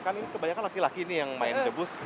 kan ini kebanyakan laki laki nih yang main debus